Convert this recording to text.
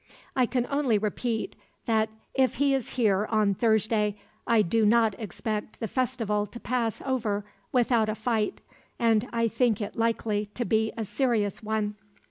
"I can only repeat that if he is here on Thursday, I do not expect the festival to pass over without a fight, and I think it likely to be a serious one."